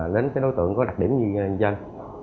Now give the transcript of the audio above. đến đối tượng có đặc điểm như thế này